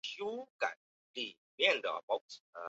年少时为人谦逊有礼。